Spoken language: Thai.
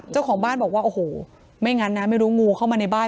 เจ้าของบ้านบอกว่าโอ้โหไม่งั้นนะไม่รู้งูเข้ามาในบ้าน